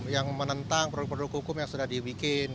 yang menentang produk produk hukum yang sudah dibikin